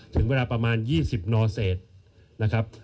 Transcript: ถึงเวลาประมาณ๒๐นเศษนะครับ